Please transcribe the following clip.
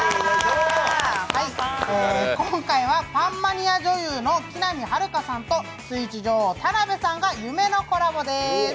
今回はパンマニア女優の木南晴夏さんとスイーツ女王、田辺さんが夢のコラボです。